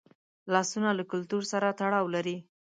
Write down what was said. لاسونه له کلتور سره تړاو لري